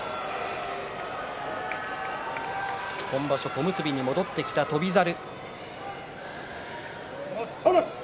今場所、小結に戻ってきた翔猿。